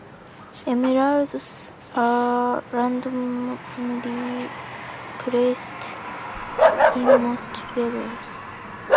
Emeralds are randomly placed in most levels.